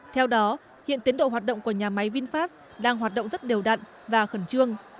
theo đó hiện tiến độ hoạt động của nhà máy vinfast đang hoạt động rất đều đặn và khẩn trương